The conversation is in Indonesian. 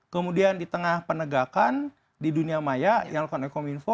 kemudian di tengah penegakan di dunia maya yang lokal ekominfo